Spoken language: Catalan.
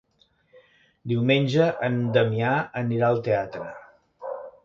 Diumenge en Damià anirà al teatre.